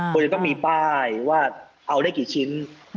ควรจะต้องมีป้ายว่าเอาได้กี่ชิ้น